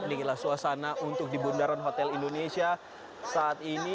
inilah suasana untuk di bundaran hotel indonesia saat ini